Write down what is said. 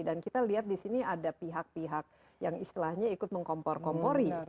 dan kita lihat di sini ada pihak pihak yang istilahnya ikut mengkompor kompori